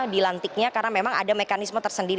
di lantiknya karena memang ada mekanisme tersendiri